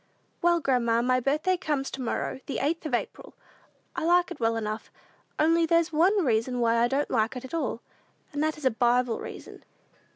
"Well, grandma, my birthday comes to morrow, the 8th of April. I like it well enough; only there's one reason why I don't like it at all, and that is a Bible reason.